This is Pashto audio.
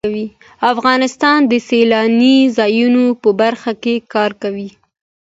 افغانستان د سیلاني ځایونو په برخه کې کار کوي.